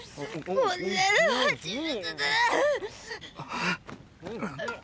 こんなの初めてでぇぇ。！